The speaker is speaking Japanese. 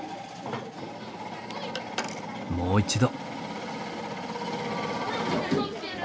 もう一度。